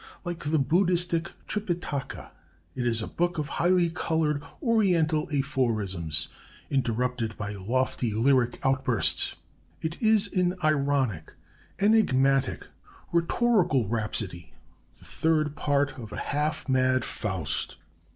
Like the Buddhistic Tripitaka, it is a book of highly colored Oriental aphorisms, interrupted by lofty lyric outbursts. It is an ironic, enigmatic, rhetorical rhapsody, the Third Part of a half mad 'Faust.'